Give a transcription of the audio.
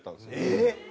えっ！